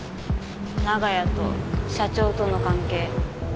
長屋と社長との関係。